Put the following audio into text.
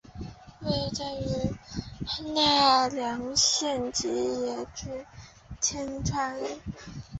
位在奈良县吉野郡天川村。